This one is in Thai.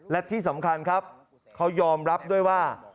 และที่สำคัญครับเขายอมรับด้วยว่า